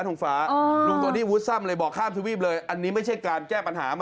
ทั้งที่ก็ฉีดวัคซีนเรียบร้อยแล้วนะ